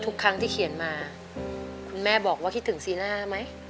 ทุกครั้งที่เขียนมาคุณแม่บอกว่าคิดถึงซีน่าไหม